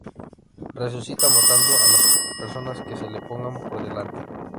Resucita matando a las personas que se le pongan por delante.